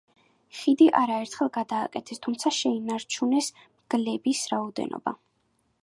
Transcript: ხიდი არაერთხელ გადააკეთეს, თუმცა შეინარჩუნეს მალების რაოდენობა.